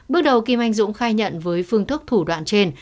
bước đầu kim anh dũng khai nhận với phương thức thủ đoạn trên